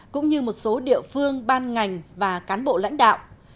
cũng như một số địa phương ban ngành và cán bộ lãnh đạo